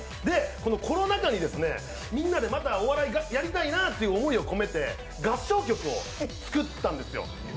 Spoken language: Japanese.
コロナ禍に、みんなでまたお笑いやりたいなという思いをけ目手合唱曲を作ったんですよ。